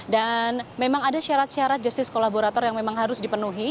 dan memang ada syarat syarat justice collaborator yang memang harus dipenuhi